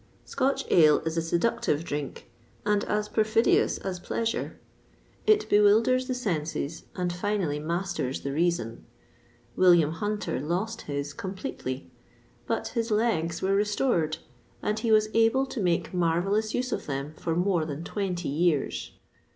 Scotch ale is a seductive drink, and as perfidious as pleasure: it bewilders the senses, and finally masters the reason. William Hunter lost his, completely; but his legs were restored, and he was able to make marvellous use of them for more than twenty years.